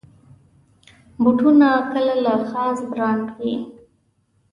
بوټونه کله له خاص برانډ وي.